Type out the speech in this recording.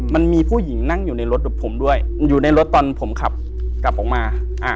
มันมีผู้หญิงนั่งอยู่ในรถผมด้วยอยู่ในรถตอนผมขับกลับออกมา